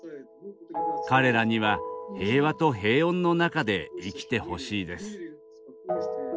彼らには平和と平穏の中で生きてほしいです。